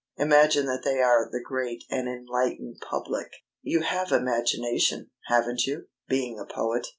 Imagine that they are the great and enlightened public. You have imagination, haven't you, being a poet?"